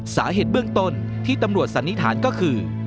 สาเหตุเบื้องต้นที่ตำรวจสันนิษฐานก็คือ